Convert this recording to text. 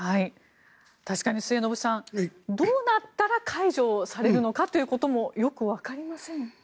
確かに末延さんどうなったら解除されるのかということもよくわかりません。